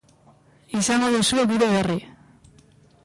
Izango duzue gure berri.